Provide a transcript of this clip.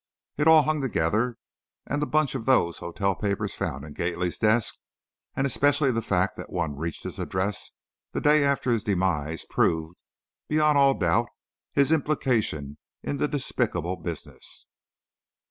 It all hung together, and the bunch of those hotel papers found in Gately's desk, and especially the fact that one reached his address the day after his demise proved, beyond all doubt, his implication in the despicable business.